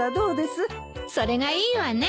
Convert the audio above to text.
それがいいわね。